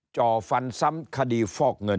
จ่อฟันซ้ำคดีฟอกเงิน